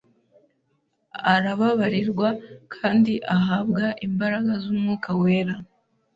arababarirwa kandi ahabwa imbaraga z’umwuka wera.